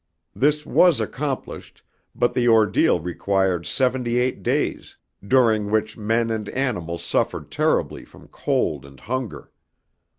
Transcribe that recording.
This was accomplished, but the ordeal required seventy eight days, during which men and animals suffered terribly from cold and hunger.